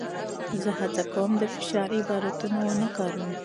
زه هڅه کوم د فشار عبارتونه ونه کاروم.